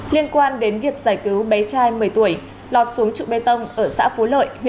liên quan đến việc giải cứu bé trai một mươi tuổi lọt xuống trụ bê tông ở xã phú lợi